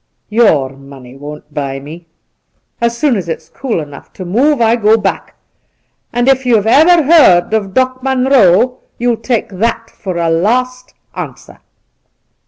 Your money won't buy me. As soon as it's cool enough to move, I go back ; and if you've ever heard of Doc Munroe, you'U take that for a last answer.'